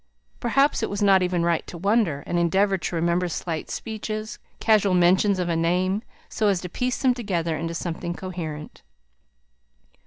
Perhaps it was not even right to wonder, and endeavour to remember slight speeches, casual mentions of a name, so as to piece them together into something coherent.